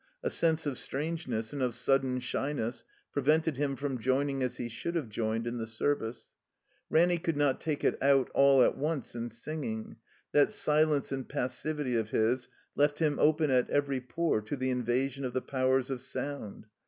A sense of strangeness and of sudden shyness pre vented him from joining as he should have joined in the Service. Ranny could not take it out all at once in singing. That silence and passivity of his left him open at every pore to the invasion of the powers of sound.